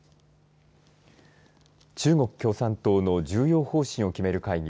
中国共産党の重要方針を決める会議